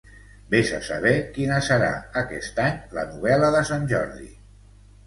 Ves a saber quina serà, aquest any, la novel·la de Sant Jordi!